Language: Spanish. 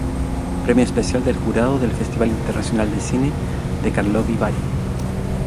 Premio especial del jurado del Festival Internacional de Cine de Karlovy Vary.